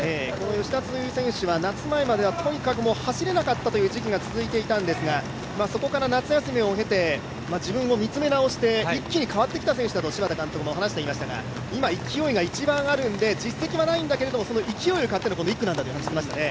吉田という選手は夏前まではとにかく走れなかったという時期が続いていたんですがそこから夏休みを経て自分を見つめ直して一気に変わってきた選手だと柴田監督も話していましたが今、勢いが一番あるので、実績はないんだけども、勢いを買っての１区だと話していましたね。